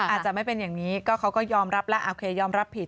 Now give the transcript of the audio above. อาจจะไม่เป็นอย่างนี้ก็เขาก็ยอมรับแล้วโอเคยอมรับผิด